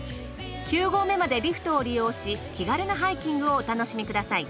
９合目までリフトを利用し気軽なハイキングをお楽しみください。